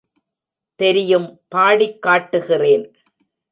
தெரியும் பாடிக் காட்டுகிறேன்.